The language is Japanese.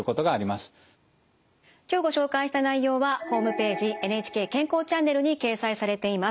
今日ご紹介した内容はホームページ「ＮＨＫ健康チャンネル」に掲載されています。